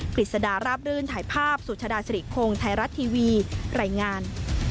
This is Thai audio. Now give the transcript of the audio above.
กฤษฎารับดื่นถ่ายภาพสุชฎาศิริโครงไทยรัตน์ทีวีรายงาน